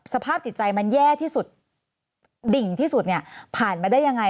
สภาพจิตใจมันแย่ที่สุดดิ่งที่สุดเนี่ยผ่านมาได้ยังไง